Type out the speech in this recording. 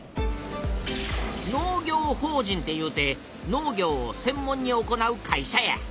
農業法人っていうて農業をせん門に行う会社や。